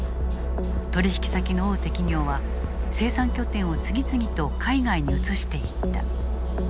取引先の大手企業は生産拠点を次々と海外に移していった。